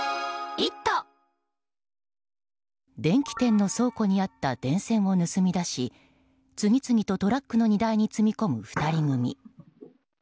電気店の倉庫にあった電線を盗み出し次々とトラックの荷台に積み込む２人組。